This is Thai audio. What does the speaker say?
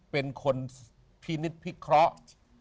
เป็นคนพินิษฐพิเคราะห์